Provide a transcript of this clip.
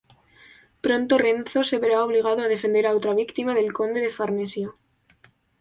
Pronto Renzo se verá obligado a defender a otra víctima del Conde de Farnesio.